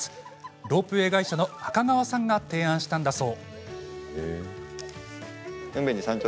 ロープウエー会社の赤川さんが提案したのだそう。